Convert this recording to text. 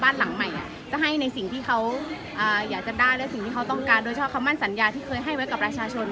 โดยเฉพาะคำว่าสัญญาที่เคยให้ไว้กับราชาชน